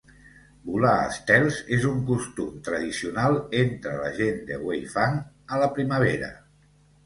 Volar estels és un costum tradicional entre la gent de Weifang a la primavera.